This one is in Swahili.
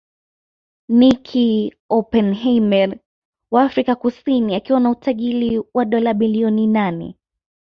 Nicky Oppenheimer wa Afrika Kusini akiwa na utajiri wa dola bilioni nane